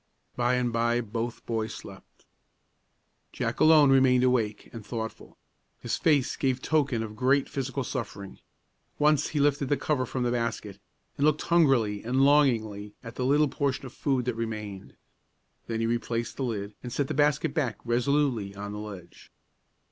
By and by both boys slept. Jack alone remained awake and thoughtful. His face gave token of great physical suffering. Once he lifted the cover from the basket, and looked hungrily and longingly at the little portion of food that remained. Then he replaced the lid, and set the basket back resolutely on the ledge.